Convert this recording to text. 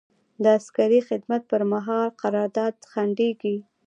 د عسکري خدمت پر مهال قرارداد ځنډیږي.